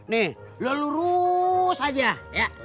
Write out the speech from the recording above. nih lo lurus aja ya